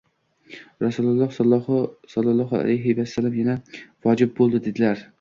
Rasululloh sallollohu alayhi vasallam yana: “vojib bo‘ldi”, dedilar